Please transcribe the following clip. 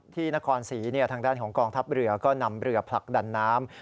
นครศรีทางด้านของกองทัพเรือก็นำเรือผลักดันน้ำ